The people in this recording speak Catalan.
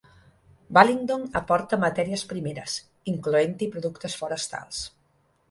Balingdong aporta matèries primeres, incloent-hi productes forestals.